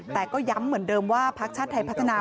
แต่ก็ย้ำเหมือนเดิมว่าพักชาติไทยพัฒนา